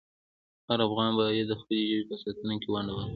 هر افغان باید د خپلې ژبې په ساتنه کې ونډه واخلي.